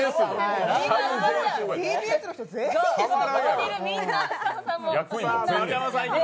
ＴＢＳの人全員ですか。